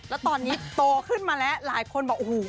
แล้วตอนนี้โตขึ้นมาแล้วหลายคนบอกโอ้โห